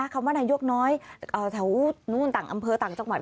คำว่านายกน้อยแถวนู้นต่างอำเภอต่างจังหวัด